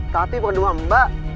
tapi bukan cuma mbak